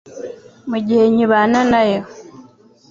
mu gihe nkibana nawo